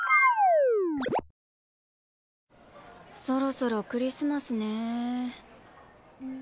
そろそろクリスマスね。